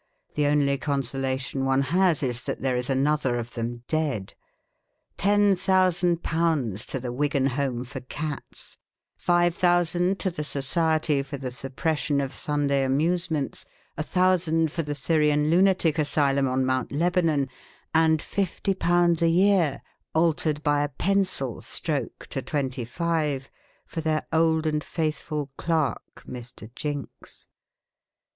The only consolation one has is that there is another of them dead. Ten thousand pounds to the Wigan Home for Cats, five thousand to the Society for the Suppression of Sunday Amusements, a thousand for the Syrian Lunatic Asylum on Mount Lebanon, and fifty pounds a year (altered by a pencil stroke to twenty five) for their old and faithful clerk, Mr. Jinks.